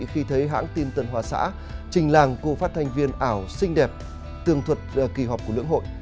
khi thấy hãng tin tần hòa xã trình làng cô phát thanh viên ảo xinh đẹp tường thuật kỳ họp của lưỡng hội